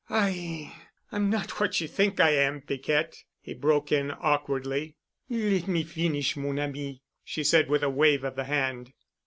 "I—I'm not what you think I am, Piquette," he broke in awkwardly. "Let me finish, mon ami," she said with a wave of the hand.